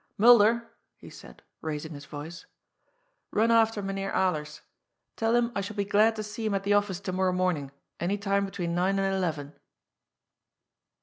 " Mul der," he said, raising his voice, " run after Mynheer Alers. Tell him I shall be glad to see him at the office to morrow morning, any time between nine and eleven."